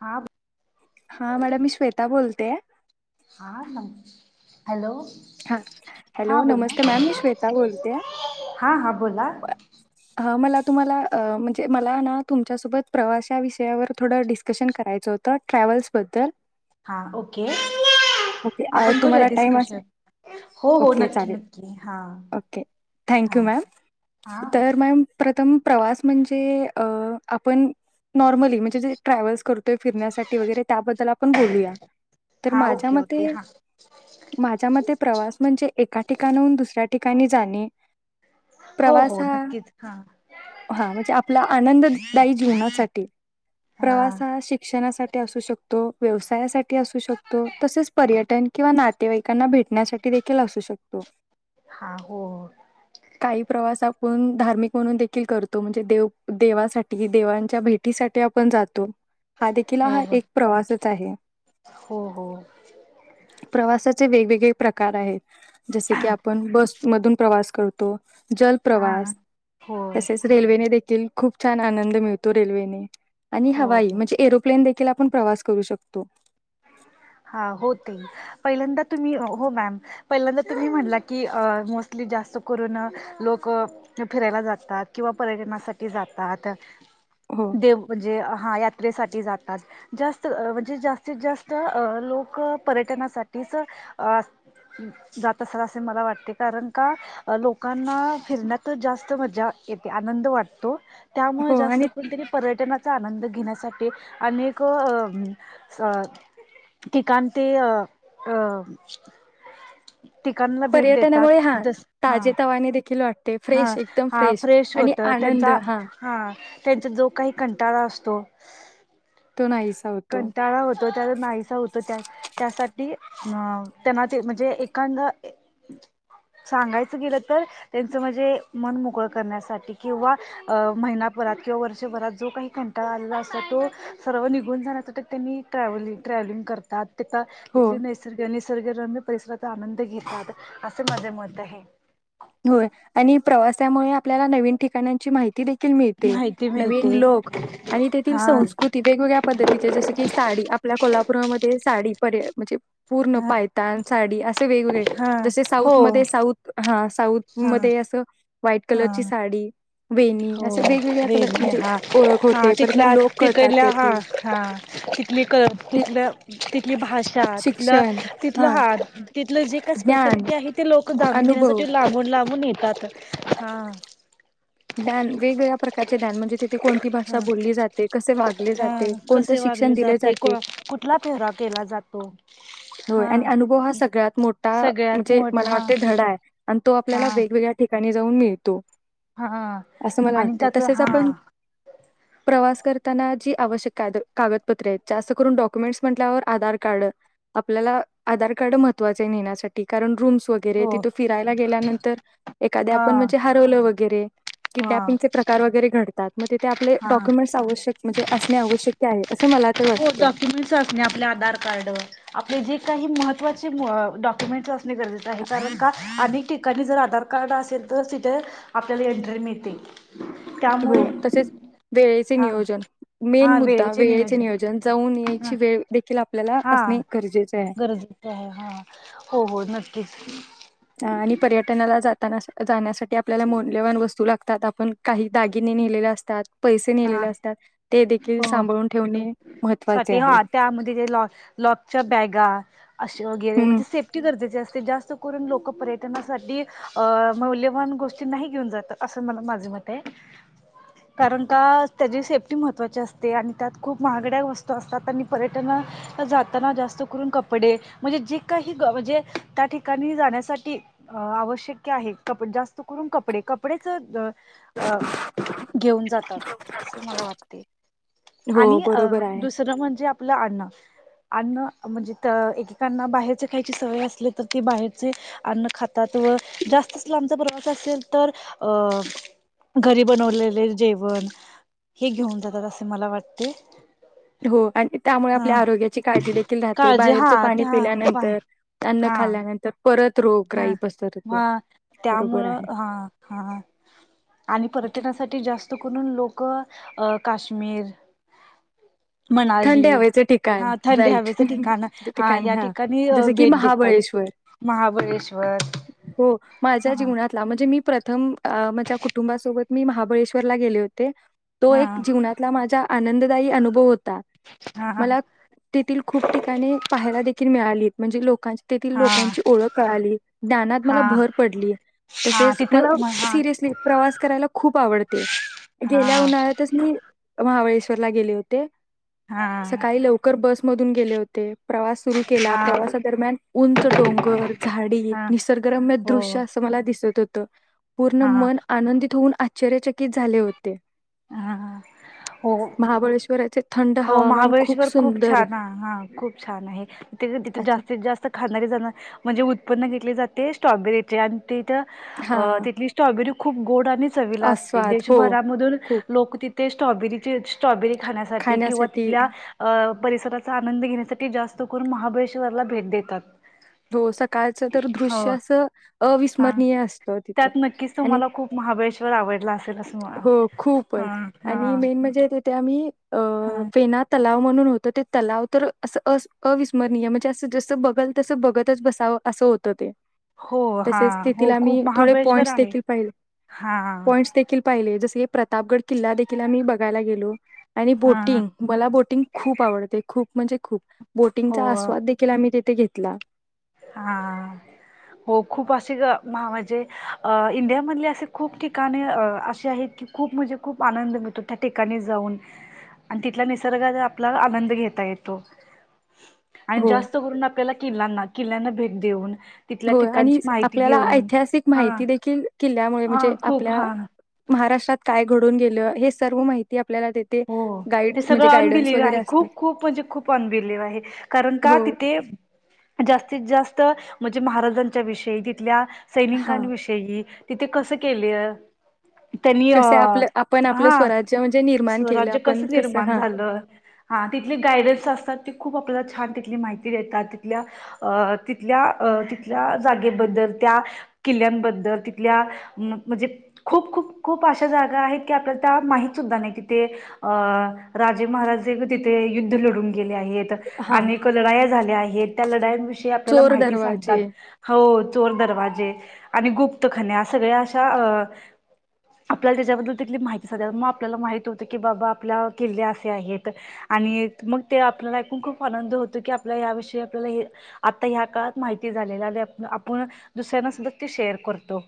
हा हा मॅडम मी श्वेता बोलते. हा हॅलो. ह हा हॅलो नमस्ते बोला मॅम मी श्वेता बोलते हा हा बोला ह मला तुम्हाला म्हणजे मला ना तुमच्यासोबत प्रवाश विषयावर थोडं डिस्कशन करायचं होतं ट्रॅव्हल्स बद्दल हा ओके ओके अ, आपण करूया तुम्हाला टाइम असेल डिस्कशन. हो हो ओके नक्की नक्की हा चालेल ओके थँक हा यू मॅम हा तर मॅम प्र प्रथम प्रवास म्हणजे अ आपण नॉर्मली म्हणजे जे ट्रॅव्हल्स करतोय फिरण्यासाठी वगैरे त्याबद्दल आपण बोलूया तर हा माझ्या ओके ओके मते हा माझ्या मते म्हणजे एका ठिकाणाहून दुसऱ्या ठिकाणी जाने हो प्रवास हो हा नक्कीच हा हा म्हणजे आपला आनंददायी जीवनासाठी हा प्रवास शिक्षणासाठी ते असु शकतो व्यवसायासाठी असू शकतो तसेच पर्यटन किंवा नातेवाईकांना भेट ण्या देखील असू शकतो हा हो काही प्रवास आपण धार्मिक म्हणून देखील करतो म्हणजे देव देवासाठी देवांच्या भेटीसाठी आपण जातो हा देखील हो हा हो एक प्रवासच आहे हो हो प्रवासाचे वेगवेग प्रकार आहे. जसे की आपण बसमधून प्रवास करतो. हा जलप्रवास हो तसेच रेल्वेने देखील खूप छान आनंद मिळतो रेल्वेने आणि हो हवाई हो म्हणजे एरोप्लेन देखील आप आपण प्रवास करू शकतो. हा हो ते पहिल्यांदा तुम्ही हो मॅम पहिल्यांदा तुम्ही म्हणला की अ मोस्टली जास्त करून लोक फिरायला जातात किंवा पर्यटनासाठी जातात हो देव म्हणजे हा यात्रेसाठी जास्त म्हणजे जास्तीत जास्त अ लोक पर्यटनासाठीच जात असतात असे मला वाटते कारण का लोकांना फिरण्यात जास्त मजा येते आनंद वाटतो हो त्यामुळे जास्त आणि करण तरी पर्यटनाचा आनंद घेण्यासाठी अनेक ठिकाण ते अ अ ठिकाणला भेट देतात पर्यटनामुळे हा जस हा ताजे तवाने देखील वाट हा हा फ्रेश होत त्यांचा हा त्यांचा जो काही कंटाळा असतो तो नाहीसा होतो. कंटाळा होतो त्या नाहीसा होत त्या त्यासाठी अ त्यांना ते म्हणजे एकदा सांगायचं गेलं तर त्याचं म्हणजे मन मोकळं करण्यासाठी किंवा महिनाभरात किंवा वर्षभरात जो काही कंटाळ आलेला असतो तो सर्व निघून जाण्यासाठी त्यांनी ट्रॅव्हल ट्रॅव्हलिंग करतात. ते ता हो तिथली निसर्ग निसर्गरम्य परिसर तिथं आनंद घेतात असं माझं मत आहे. होय, आणि प्रवासामुळे आपल्याला नवीन ठिकाणांची माहिती ती देखील मिळते माहिती नवीन मिळते लोक आणि त्यातील हा संस्कृती वेगवेगळ्या पद्धतीचे जसं की साडी आपल्या कोल्हापुरा मध्ये साडी पर्याय म्हणजे पूर्ण हा पायतान, साडी असे वेगवेगळे हा जसे हो साऊथ मध्ये साऊथ हा साऊथ हा मध्ये असं व्हाईट कलरची साडी वेणी असं वेगवेगळ्या होे कलर म्हणजे हा ओळख हा होते परत तिथल्या, लोक कळतात तिकडल्या हा तेथील हा तिथली कल, ते तिथलं तिथली भाषा तिथलं, तिथलं हा तिथलं जे काय ज्ञान स्पेशलिटी आहे ते लोक क‌ जाणून अनुभव घेण्यासाठी लांबून लांबून येतात, हा. ध्यान वेगवेगळ्या प्रकारचे ध्यान म्हणजे, तिथे कोणती हा भाषा बोलली जाते, कसे वाग हा कसे वागले जाते, को कुठला पेहराव केला जातो? होय, हा आणि अनुभव हा सगळ्यात मोठा सगळ्यात म्हणजे मला मोठा वाटतय धडा हाय. आणि तो हा आपल्याला वेगवेगळ्या ठिकाणीच जाऊन मिळतो. हा असं मला आणि वाटते. त्यात तसेच हा आपण प्रवास करताना जी आवश्यक काद कागदपत्रे आहेत, जास्त करून डॉक्युमेंट्स म्हटल्यावर आधार कार्ड आपल्याला आधार कार्ड महत्वाचं आहे नेण्यासाठी कारण रूम्स वगैरे हो तिथं फिरायला गेल्यानंतर एखादे हा आपण म्हणजे हरवलं वगैरे हा किडनॅपिंगचे प्रकार वगैरे घड म तिथे आपले हा डॉक्युमेंट्स आवश्यक म्हणजे असणे आवश्यक्य आहे. असं मला तर हो वाटतं. डॉक्युमेंटस असणे आपले आधार कार्ड आप ले जे काही महत्त्वाचे म डॉक्युमेंट्स असणे गरजेचे आहे कारण का अनेक ठिकाणी जर आधार कार्ड असेल तरच तिथे आपल्याला एंट्री मिळते. हो त्यामुळे तसेच वेळेचे हा नियोजन मेन मुद्दा वेळेचे नियोजन जाऊन हा यायची वेळ देखील आप हा गरजेचं आहे हा, हो हो नक्कीच. हं आणि पर्यटनाला जाताना अश्- जाण्यासाठी आपल्याला मौल्यवान वस्तू लागतात, आपण काही दागिने नेलेले असतात. पैसे हा नेलेले असतात ते देखील हो सांभाळून ठेवणे [unintelligible] महत्त्वाचे आहे हा- त्यामध्ये लॉ् लॉकच्या बॅगा अशे वगैरे हम्म म्हणजे सेफ्टी गरजे अस जास्त करून लोक पर्यटनासाठी आ मौल्यवान गोष्टी नाही घेऊन जात, असं मला माझ मत आहे. कारण का त्याची सेफ्टी महत्त्वाची असते आणि त्यात खूप महागड्या वस्तू असतात आणि पर्यटनला जाताना जास्त करून कपडे म्हणजे जे काही ग म्हणजे त्या ठिकाणी जाण्यासाठी आवश्यक आहे कपडे जास्त करून कपडे कपडेचं अ घेऊन जातात अस मला वाटते हो आणि अ बरोबर आहे दुसरं म्हणजे आपलं अन्न अन्न म्हणजे त एकेकांना बाहेरचे खायची सवय असली तर ते बाहेरचे अन्न खातात व जास्तच लांबचा प्रवास असेल तर अ घरी बनवलेले जेवण. हे घेऊन जातात अस मला वाटतय. हो आणि त्यामुळे आपल्या आरोग्याची काळजी देखील राहते काळजी बाहेरचं हा पाणी त्या बाहेर पिल्यानंतर अन्न हा खाल्ल्यानंतर परत हा, रोगराई पसरते हा बरोबर त्यामुळं आहे हा हा आणि ओके पर्यटनासाठी जास्त कुनोन लोक अ काश्मीर मनाली थंडे हवेचे ठिकाण हा थंडी राईट हवेचं ठिकाण ठिकाण या हा ठिकाणी जस की भेट देतात महाबळेश्वर. महाबळेश्वर हो माझ्या हा जीवनातला म्हणजे मी प्रथम माझ्या कुटुंबासोबत मी महाबळेश्वरला गेले होते तो हा एक जीवनातल्या माझ्या आनंददायी अनुभव होता हा मला तेथील खूप ठिकाणी पाहायला देखील मिळाली म्हणजे लोक तेथील हा लोकांची ओळख कळाली. ज्ञानात मला हा भर पडली हा तसेच तिथं मला म हा सिरियसली प्रवास करायला खूप आवडते हा गेल्या उन्हाळ्यातच मी महाबळेश्वरला गेले होते. ते हा सकाळी लवकर बस मधून गेले होते प्रवास सुरू केला हा प्रवासादरम्यान उंच डोंगर झाडी हा निसर्गरम्य हो दृश्य असं मला दिसत होत तर पूर्ण हा मन आनंदित होऊन अस आश्चर्यचकित झाले होते हा हो महाबळेश्वराचे थंड हो हवामान महाबळेश्वर खूप सुंदर छान हा खूप छान आहे तिथे अच्छा जास्तीत जास्त खाणारी जण म्हणजे उत्पन्नेतले जाते स्ट्रॉबेरीचे आणि ते हा तली स्ट्रॉबेरी खूप गोड चवीला असते आस्वाद हो. देशभरामधून खूप लोकती ते स्ट्रॉबेरीचे स्ट्रॉबेरी खाण्यासाठी किंवा तिथल्या अ परिसराचा आनंद घेण्यासाठी जास्त करून महाबळेश्वरला भेट देतात हो सकाळच तर हो दृश्य अस हा अविस्मरणीय असत तिथ त्यात नक्कीच आणि तुम्हाला खूप महाबळेश्वर आवडला असेल असं मला हो खूप हा खूपच हा त्या मही अ हा फेना तलाव ते पण लावतात अस बघतच बसावं असं होतं ते हो हा तसेच तथील हो खूप आम्ही थोडे महाबळेश्वर पॉइंट्स आहे देखील पाहिले हा पॉईंटस देखील पाहिले जसे प्रतापगड किल्ला देखील आम्ही बघायला गेलो आणि हा बोटिंग मला बोटिंग खूप आवडते खूप म्हणजे खूप हो बोटिंगचा आस्वाद देखील आम्ही तथे घेतो कला हा हो खूप असे म्हणजे अ इंडिया मधले असे खूप ठिकाणे असे आहेत की खूप म्हणजे खूप आनंद मिळतो त्या ठिकाणी जाऊन आणि तिथला निसर्गाचा आपला आनंद घेता येतो आणि हो जास्त करून आपल्याला किल्ला ना किल्ल्यांना भेट देऊन तिथल्या हो आणि ठिकाणची माहिती आपल्याला घेऊन ऐतिहासिक हा माहिती देखील कल्यामुळे हा म्हणजे खूप आपल्या हा महाराष्ट्रात काय घडून गेल हे सर् माहिती आपल्याला देते हो गाईड ते म्हणजे सगळं गायडन्स अनबिलीव वगैरे आहे असतात खूप खूप म्हणजे खूप अनबिलीव आहे कारण का हो तिथे जास्तीत जास्त म्हणजे महाराजांच्या विषयी तिथल्या हा सैनिकांनी विषयी तिथे कसं केलीय क आपलं आपण आपलं स्वराज्य म्हणजे निर्माण केलं स्वराज्य कस आपण कसं निर्माण हा झालं हा तिथले गायडन्स असतात ते खूप आपल्या छान तिथली माहिती देतात तिथल्या तिथल्या तिथल्या जागेबद्दल त्या किल्ल्याबद्दल तिथल्या म्हणजे खूप खूप खूप अशा जागा आहेत की आपल्या त्या माहत सुद्धा नाही अ राजे महाराजे तिथे युद्ध लढून गेले आहेत हा अनेक लढा झाल्या आहेत त्या लढाविषयी आपल्याला चोर माहिती सांगतात दरवाजे हो चोर दरवाजे आणि गुप्तखन सगळ्या अशा अ आपल्याला त्याच्याबद्दल तिथली माहिती साधा मग आपल्याला माहित हो की बाबा आपल्या किल्ले असे आहेत आणि मग ते आपल्याला ऐकून खूप आनंद होतो की आपल्या या विषयी आपल्याला आता ह काळात माहिती झालेला आणि आपण दुसऱ्यांना सुधा ते शेअर करतो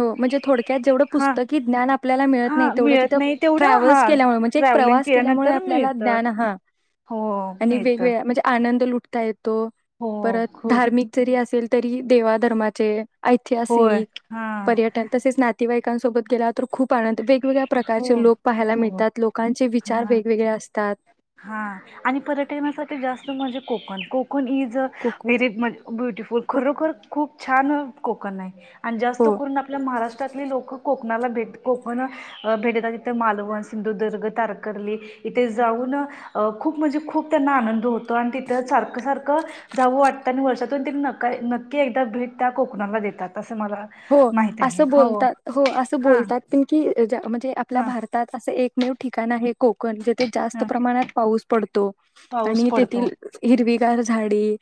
म्हणजे थोडक्यात जेवढं हा पुस्तकी ज्ञान आपल्याला मिळत नाही हा तेवढं मिळत तिथं नाही तेवढं हा ट्रॅव्हल्स केल्यामुळे म्हणजे ट्रॅव्हलिंग प्रवास केल्यामुळे केल्यानंतर आपल्याला मिळत ज्ञान ह हो आणि मिळत वेगवेग म्हणजे आनंद लुटताय. त हो परत खूप धार्मिक जरी असेल. तरी देवाधर्माचे इथे होय स हा पर्यटन तसेच नातेवाई ोबत गेला तर खूपंद वे वेगवेगळ्या हो प्रकारचे लोक पाहायला हो मिळतात लोकांचे विचार हा वेगवेगळे असतात. हा आणि पर्यटनासाठी जास्त म्हणजे कोकण कोक कून यई़ खूप वेरी बोटिफीलल खरोखर खूप छान कोकण आहे. आणि जास्त हो करून आपल्या महाराष्ट्रातली लोक कोक. कोकणाला भेट कोकण भेटतात तिथं मालवण सिंधुदुर्ग तारकर्ली इथे जाऊन अ खूप म्हणजे खूप त्यांना आनंद होतो आणि तिथं सारख सारखं जावं वाटतं आणि वर्षातून ति न नक्की एकदा भेट त्या कोकणाला देतात अस. हो असं बोलतात हो असं हां बोलतात प की त्याच्या े आपल्या हां भारतात असे एक. मेव ठिकाण आहे कोक. थे जास्त हां प्रमाणात पाऊस पडतो पाऊस आणि तेथ पडतो हर चार झाडी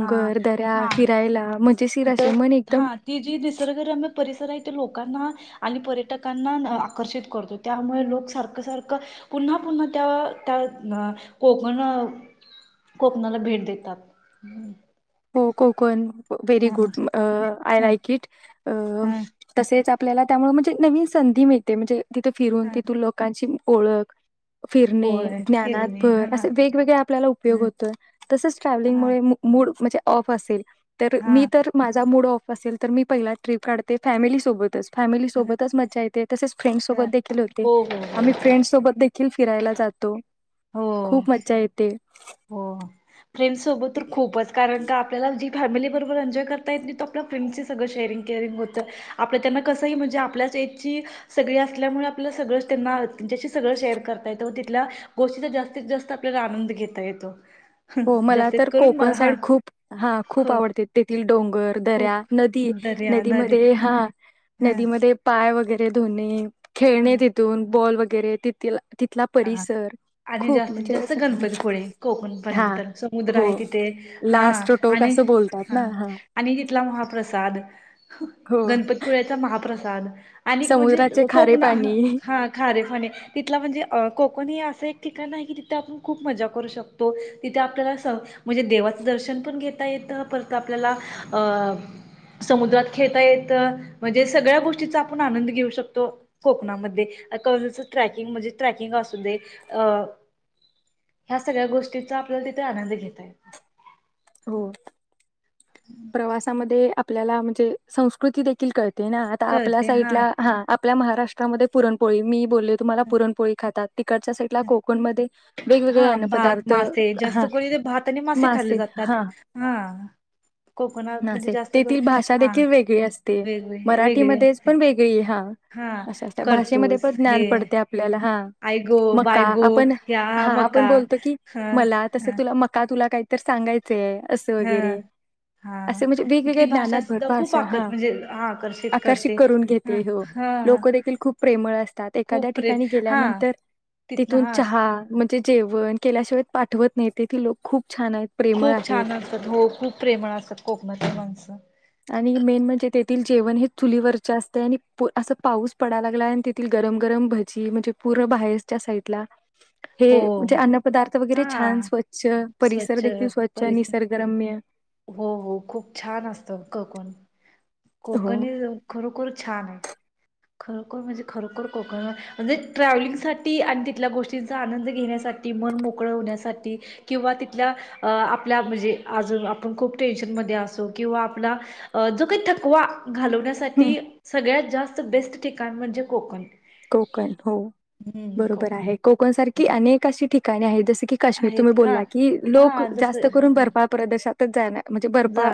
हां दऱ्या हां फिरायला म्हणजे ज शिराश तिथं मणे हा एकदम ती जी निसर्गरम्य परिसर इथे लोकांना आणि पर्यटकांना आकर्षित करतो त्यामुळे लोक सारखं सारखं पुन्हा पुन्हा त्या त्या कोकण कोकणाला भेट देतात. हो कोकण व्ेहेरी हा गुड आय ह लाईक इट ह तसेच आप आपल्याला त्यामु म्हणजे नवीन संधी मिळते म्हणजे तिथे फिरून ह तिथून लोकांची ओळख फिरणे होय ज्ञानात फिरणे भर हा असे वेगवेगळे आपल्याला उपयोग ह होतोय तसेच हा ट्रॅव्हलिंगमुळे मू म्हणजे ऑफ असेल. तर हा मी तर माझा मूड ऑफ असेल तर मी पहिला ट्रिप काढते फॅमिली सोबतच. फॅमिली हो सोबतच मजा येते तसेच फ्रेंडस सोबदखील होते हो हो आम्ही फ्रेंडसोबत देखील फिरायला जातो. हो खूप मज्जा येते. फ्रेंड्सोबत तर खूपच कारण का आपल्याला जी फॅमिलीबरोबर एन्जॉय करता येत नाही तो आपल्या फ्रेंड्सची सगळं शेअरिंग केअरिंग होतं आपलं त्यांना कसंही म्हणजे आपल्याच एजची सगळी असल्यामुळे आपल्याला सगळंच त्यांना तुच्याशी सगळं शेअर करत तिथल्या गोष्टीचा जास्तीत जास्त आपल्याला आनंद घेता येतो. हो मला जास्तीत तर करून म- कोकण हा साईड खूप हा ख खूप आवडते तेथील डोंगर दऱ्या खूप नदी दर्या नदी नदीमध्ये हा हा नदीमध्ये पाय वगैरे ते धुने हा खेळणे तिथून बॉल वगैरे [unintelligible] हा परिसर आणि खूप जास्तीत म्हणजे जास्त असं हां, गणपतीपुळे कोकण हां. पणंतर समुद्र हो. आहे तिथे हां लास्ट टोक आणि असं बोलतात ना. हां आणि तिथला महाप्रसाद हो. गणपतीपुळ्याचा महाप्रसाद आणि म्हणजे समुद्राचे खारे कोकण पाणी. हा खारे फणे तिथला म्हणजे कोकण हे असं एक ठिकाण आहे की तिथे आपण खूप मजा करू शकतो तिथे आपल्याला स म्हणजे देवाचं दर्शन पण घेता येतं परत आपल्याला समुद्रात खेळता येतं म्हणजे सगळ्या गोष्टीचा आपण आनंद घेऊ शकतो कोकणामध्ये कच ट्रॅकिंग म्हणजे ट्रेकिंग असू दे ह्या सगळ्या गोष्टीचा आपल्याला तिथे आनंद घेता येतो. हो. प्रवासामध्ये आपल्याला म्हणजे संस्कृती देखील कळते ते ना आता आपल्या साईडला हा आपल्या महाराष्ट्रामध्ये पुरणपोळी मी बोलले तुम्हाला पुरणपोळी खातात तिकडच्या साईडला कोकण मध्ये वेगवेगळे हा अन्न भात पदार्थ मासे जास्त हा करून ते भात आणि खाल्ले मासे जातात. हा हा कोकणात म्हणजे मासे जास्त करून तेथील भाषा हा देखील वेगळी असते वेगळे वेगळे मराठीमध्येच असते. पण वेगळी हा अ भाषेमध्ये करतूस पण ज्ञान हे पडते आपल्याला हा आई गो मका बाय गो आपण या हा आपण मका बोलतो की हा मला तस हा तुला मका तुला काहीतरी सांगायचये असं हा वगैरे हा असे म्हणजे तिथली वेगवेगळ्या भाषा ज्ञानात भर सुद्धा खूप भाषा आकत हा म्हणजे हा आकर्षित करते. करून हा घेते हो हा लोक देखील खूप प्रेमळ असतात एखाद्या खूप प्रे ठिकाणी हा गेल्यानंतर तिथलं तिथून हा चहा म्हणजे जेवण केल्याशिवाय पाठवत नाही ते ती लोक खूप छान आहेत प्रेमळ खूप आहेत छान असतात हो खूप प्रे प्रेमळ असतात कोकणातील माणसं आणि मेन म्हणजे तेथील जेवण हे चुलीवरचे असत य यआणि असा पाऊस पडाला लागला आणि तिथली गरम गरम भजी म्हणजे पूर बाहेरच्या साइडला हे हो म्हणजे अन्न पदार्थ हा वगैरे छान स्वच्छ परिसर स्वच्छ देखील स्वच्छ परिसर निसर्गरम्य हो हो खूप छान असतं कोकण कोकण हो हे जर खरोखर छान हाय. खरोखर म्हणजे खरोखर कोकण म्हणजे ट्रॅव्हलिंगसाठी आणि तिथल्या गोष्टींचा आनंद घेण्यासाठी मन मोकळं होण्यासाठी किंवा तिथल्या अं आपल्या म्हणजे अजून आप आपण खूप टेन्शनमध्ये असो किंवा आपला अं जो काही थकवा हं. घालवण्यासाठी सगळ्यात जास्त बेस्ट ठिकाण म्हणजे कोकण. कोकण हो बरोबर आहे, कोकण सारखी अनेक अशी ठिक काय नाई आहेतच. कि ती काश्मीर तुम्ही आहेत हा बोला की लोक हा जस जास्त करून बरफाळ प्रदेशात [inaudible] म्हणजे बरफाळ जा